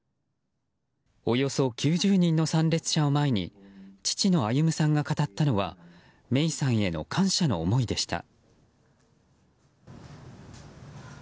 およそ９０人の参列者を前に父の歩さんが語ったのは芽生さんへの感謝の思いでした。